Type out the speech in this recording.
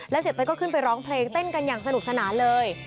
เสียเต้ยก็ขึ้นไปร้องเพลงเต้นกันอย่างสนุกสนานเลย